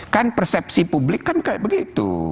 kan persepsi publik kan kayak begitu